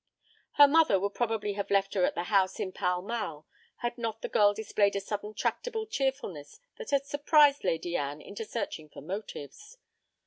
Her mother would probably have left her at the house in Pall Mall had not the girl displayed a sudden tractable cheerfulness that had surprised Lady Anne into searching for motives.